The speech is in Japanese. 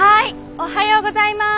「おはようございます」。